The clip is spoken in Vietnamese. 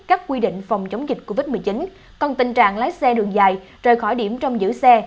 các quy định phòng chống dịch covid một mươi chín còn tình trạng lái xe đường dài rời khỏi điểm trong giữ xe